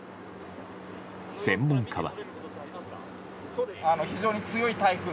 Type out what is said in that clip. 専門家は。